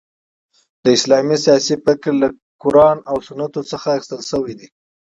د اسلامی سیاسي فکر له قران او سنتو څخه اخیستل سوی دي.